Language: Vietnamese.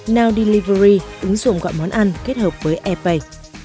now delivery ứng dụng gọi món ăn kết hợp với e pay